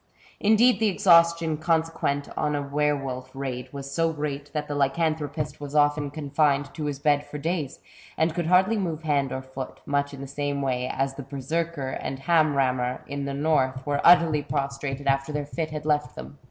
Indeed the exhaustion consequent on a were wolf raid was so great that the lycanthropist was often confined to his bed for days, and could hardly move hand or foot, much in the same way as the herserkir and ham rammir in the North were utterly prostrated after their fit had left them.